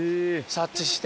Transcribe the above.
察知して。